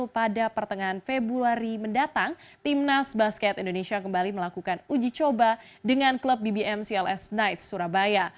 pada pertengahan februari mendatang timnas basket indonesia kembali melakukan uji coba dengan klub bbm cls knights surabaya